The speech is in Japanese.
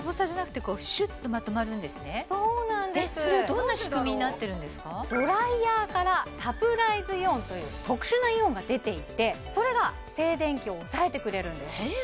どんな仕組みになってるんですかドライヤーからサプライズイオンという特殊なイオンが出ていてそれが静電気を抑えてくれるんですへえ